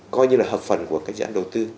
coi như là hợp phần của cái dự án đầu tư